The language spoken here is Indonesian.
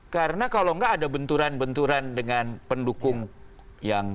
karena kalau tidak ada benturan benturan dengan pendukung yang